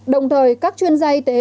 đồng thời các chuyên gia y tế